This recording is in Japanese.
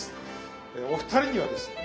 お二人にはですね